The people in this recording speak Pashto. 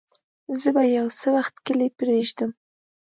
زه به يو څه وخت کلی پرېږدم.